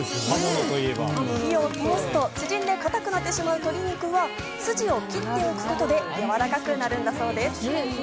火を通すと縮んで硬くなってしまう鶏肉は、すじを切っておくことで、やわらかくなるんだそうです。